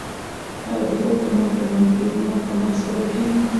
آیا د خوب کمښت د مایکروبونو کمښت سبب کیږي؟